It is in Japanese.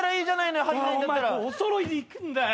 お前お揃いで行くんだよ！